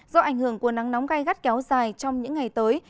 do ảnh hưởng của nắng nóng gai gắt kéo dài trong những ngày tới